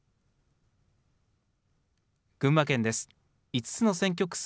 群馬県です。